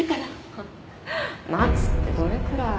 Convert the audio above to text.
ハッ待つってどれくらい？